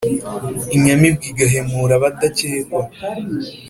inyamibwa igahemura abadakekwa